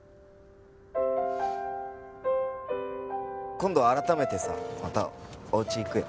今度改めてさまたおうち行くよ。